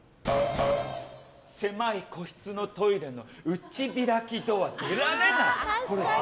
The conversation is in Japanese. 狭い個室トイレの内開きドア出られない！